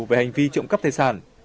về hành vi trộm cắp thầy sản